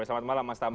selamat malam mas tama